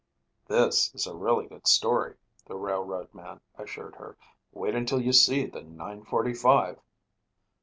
"This is really a good story," the railroad man assured her. "Wait until you see the nine forty five."